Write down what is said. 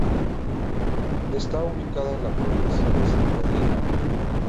Está ubicada en la provincia de Santa Elena.